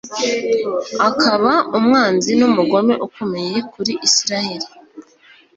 akaba umwanzi n'umugome ukomeye kuri israheli